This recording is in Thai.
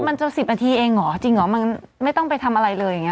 มันจะสิบนาทีเองเหรอจริงหรอมันไม่ต้องไปทำอะไรเลยเนี่ย